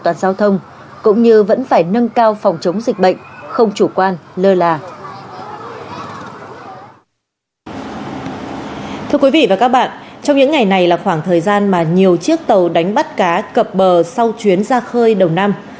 thưa quý vị và các bạn trong những ngày này là khoảng thời gian mà nhiều chiếc tàu đánh bắt cá cập bờ sau chuyến ra khơi đầu năm